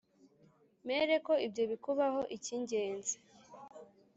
mere ko ibyo bikubaho Icyingenzi